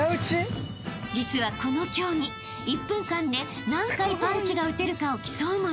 ［実はこの競技１分間で何回パンチが打てるかを競うもの］